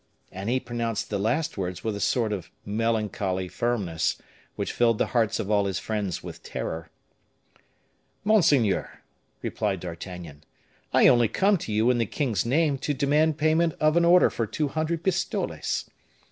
And he pronounced the last words with a sort of melancholy firmness, which filled the hearts of all his friends with terror. "Monseigneur," replied D'Artagnan, "I only come to you in the king's name to demand payment of an order for two hundred pistoles."